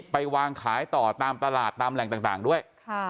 ไปวางขายต่อตามตลาดตามแหล่งต่างด้วย